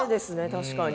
確かに。